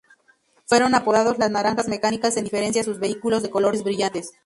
Fueron apodados las "naranjas mecánicas" en referencia a sus vehículos de colores brillantes.